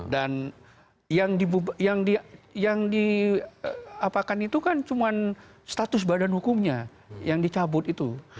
dan yang di apakan itu kan cuma status badan hukumnya yang dicabut itu